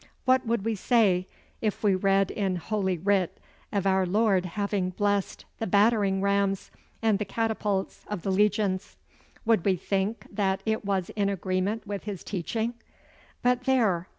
What would we say if we read in Holy Writ of our Lord having blessed the battering rams and the catapults of the legions? Would we think that it was in agreement with His teaching? But there!